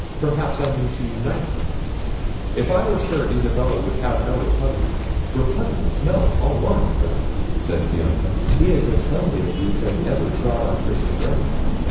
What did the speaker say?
perhaps I mean to unite them—If I were sure Isabella would have no repugnance." "Repugnance! no, I'll warrant her," said Bianca; "he is as comely a youth as ever trod on Christian ground.